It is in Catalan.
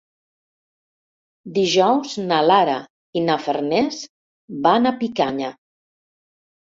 Dijous na Lara i na Farners van a Picanya.